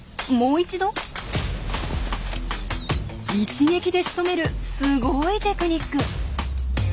一撃でしとめるすごいテクニック。